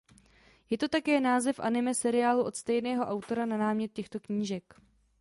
Je to také název anime seriálu od stejného autora na námět těchto knížek.